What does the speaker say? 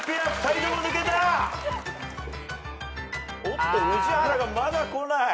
おっと宇治原がまだこない。